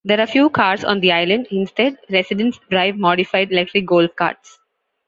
There are few cars on the island; instead, residents drive modified electric golf carts.